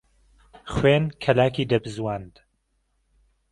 خوێن کهلاکی دهبزواند